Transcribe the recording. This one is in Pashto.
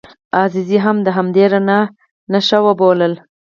عزیزي هم د همدې رڼا نښه وبولو.